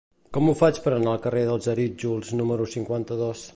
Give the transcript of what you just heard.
Com ho faig per anar al carrer dels Arítjols número cinquanta-dos?